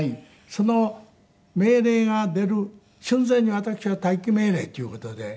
その命令が出る寸前に私は待機命令っていう事で。